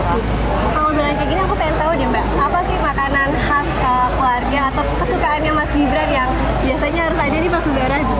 kalau bilang kayak gini aku pengen tahu deh mbak apa sih makanan khas keluarga atau kesukaannya mas gibran yang biasanya harus ada di mas udara gitu